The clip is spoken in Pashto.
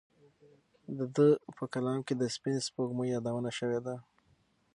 د ده په کلام کې د سپینې سپوږمۍ یادونه شوې ده.